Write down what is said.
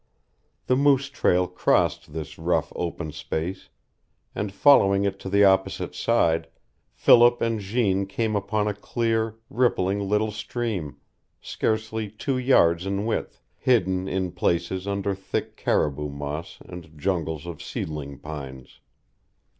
The moose trail crossed this rough open space; and, following it to the opposite side, Philip and Jeanne came upon a clear, rippling little stream, scarcely two yards in width, hidden in places under thick caribou moss and jungles of seedling pines.